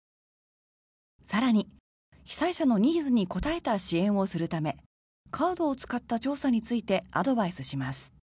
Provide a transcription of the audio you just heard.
更に、被災者のニーズに応えた支援をするためカードを使った調査についてアドバイスします。